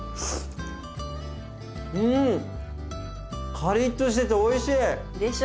カリッとしてておいしい！でしょ。